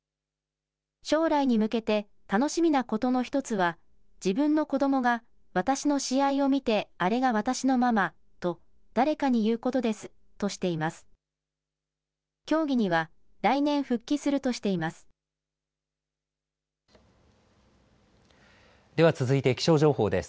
将来に向けて楽しみなことの１つは自分の子どもが私の試合を見てあれが私のママと誰かに言うことですとしています。